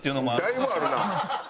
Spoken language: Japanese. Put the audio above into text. だいぶあるな！